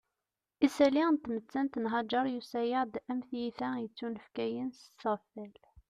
Isalli n tmettant n Haǧer yusa-aɣ-d am tiyita yettunefkayen s tɣeffal